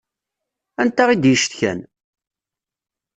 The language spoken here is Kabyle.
Anta i d-yecetkan?